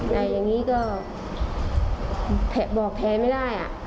แต่อย่างนี้ก็บอกแทนไม่ได้